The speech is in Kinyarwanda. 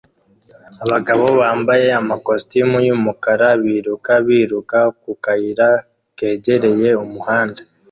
Abagabo bambaye amakositimu y'umukara biruka biruka ku kayira kegereye umuhanda